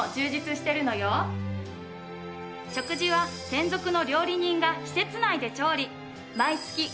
食事は専属の料理人が施設内で調理。